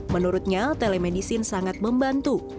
menurutnya telemedisin sangat membantu